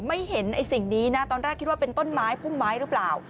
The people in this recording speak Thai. ไม่เห็นไอ้สิ่งนี้นะตอนแรกคิดว่าเป็นต้นไม้พุ่มไม้หรือเปล่า